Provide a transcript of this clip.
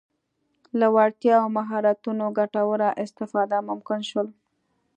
له وړتیاوو او مهارتونو ګټوره استفاده ممکن شول.